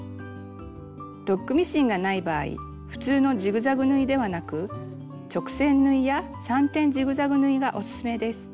ロックミシンがない場合普通のジグザグ縫いではなく直線縫いや３点ジグザグ縫いがおすすめです。